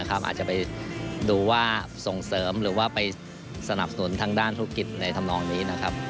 อาจจะไปดูว่าส่งเสริมหรือว่าไปสนับสนุนทางด้านธุรกิจในธรรมนองนี้นะครับ